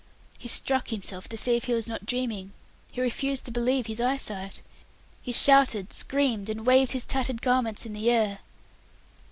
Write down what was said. He struck himself to see if he was not dreaming. He refused to believe his eyesight. He shouted, screamed, and waved his tattered garments in the air.